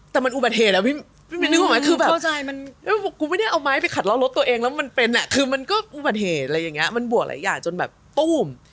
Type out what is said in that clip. แต่มันอุบัติเหตุนะว่าอุบัติเหตุอะไรยังไงมันบวกหลายอย่างจนแบบปู้ม